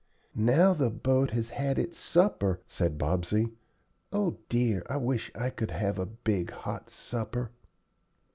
"Now the boat has had its supper," said Bobsey. "O dear! I wish I could have a big hot supper."